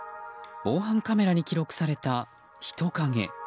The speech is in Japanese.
防犯カメラに記録された人影。